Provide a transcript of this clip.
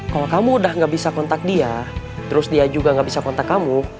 kalau kamu udah gak bisa kontak dia terus dia juga nggak bisa kontak kamu